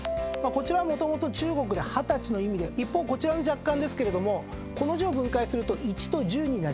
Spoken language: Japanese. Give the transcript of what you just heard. こちらもともと中国で二十歳の意味で一方こちらの若干ですけれどもこの字を分解すると一と十になります。